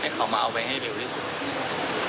เขามาเอาไว้ให้เร็วที่สุด